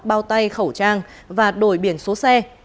bao tay khẩu trang và đổi biển số xe